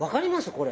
これ。